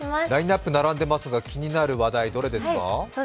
ラインナップ並んでますが、気になる話題、どれですか？